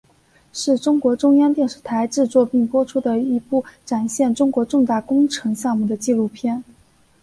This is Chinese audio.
是中国中央电视台制作并播出的一部展现中国重大工程项目的纪录片。